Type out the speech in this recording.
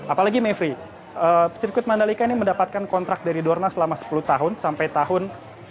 apalagi mevry sirkuit mandalika ini mendapatkan kontrak dari dorna selama sepuluh tahun sampai tahun dua ribu tiga puluh satu